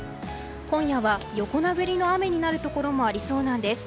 今夜は横殴りの雨になるところもありそうなんです。